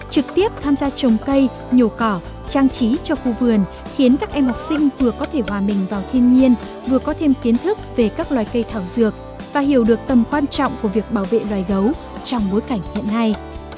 trực tiếp tham gia trồng cây nhổ cỏ trang trí cho khu vườn khiến các em học sinh vừa có thể hòa mình vào thiên nhiên vừa có thêm kiến thức về các loài cây thảo dược và hiểu được tầm quan trọng của việc bảo vệ loài gấu trong bối cảnh hiện nay